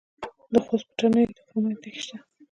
د خوست په تڼیو کې د کرومایټ نښې شته.